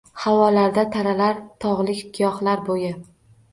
Havolarda taralar tog‘lik giyohlar bo‘yi.